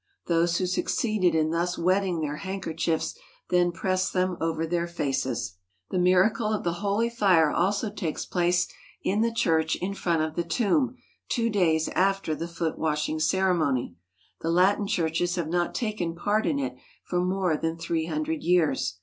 Those who succeeded in thus wetting their handkerchiefs then pressed them over their faces. The "miracle" of the holy fire also takes place in the church in front of the tomb two days after the foot washing ceremony. The Latin churches have not taken part in it for more than three hundred years.